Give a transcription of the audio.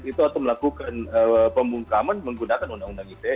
itu atau melakukan pembungkaman menggunakan undang undang ite